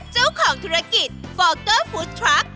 เจ้าของธุรกิตฟัลเก้อฟู้ดทรัพย์